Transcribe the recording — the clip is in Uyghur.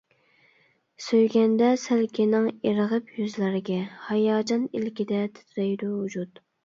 سۆيگەندە سەلكىنىڭ ئىرغىپ يۈزلەرگە، ھاياجان ئىلكىدە تىترەيدۇ ۋۇجۇد.